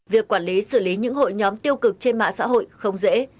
việc quản lý xử lý những hội nhóm tiêu cực trên mạng xã hội không dễ